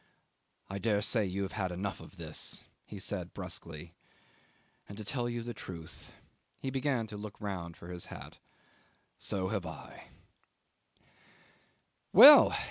... "I dare say you have had enough of this," he said brusquely: "and to tell you the truth" he began to look round for his hat "so have I." 'Well!